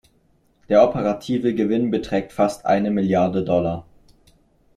Der operative Gewinn beträgt fast eine Milliarde Dollar.